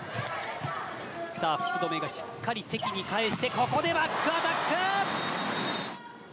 さあ、しっかり返してここでバックアタック！